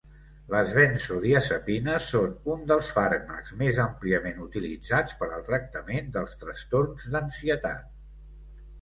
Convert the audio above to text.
Les benzodiazepines són un dels fàrmacs més àmpliament utilitzats per al tractament dels trastorns d'ansietat.